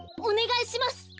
おねがいします！